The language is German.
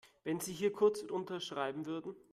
Wenn Sie hier kurz unterschreiben würden.